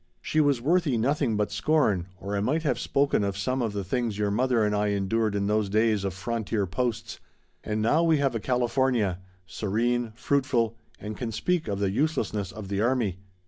She was worthy nothing but scorn, or I might have spoken of some of the things your mother and I endured in those days of frontier posts. And now we have a California serene fruitful and can speak of the uselessness of the army!